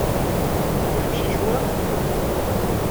D amcic wa?